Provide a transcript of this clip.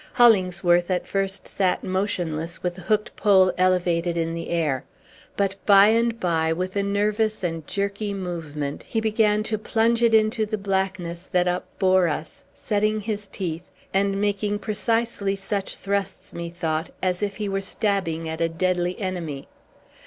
Hollingsworth at first sat motionless, with the hooked pole elevated in the air. But, by and by, with a nervous and jerky movement, he began to plunge it into the blackness that upbore us, setting his teeth, and making precisely such thrusts, methought, as if he were stabbing at a deadly enemy.